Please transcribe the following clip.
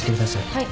はい。